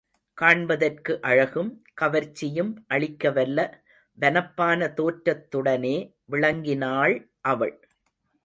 காண்பதற்கு அழகும் கவர்ச்சியும் அளிக்கவல்ல வனப்பான தோற்றத்துடனே விளங்கினாள் அவள்.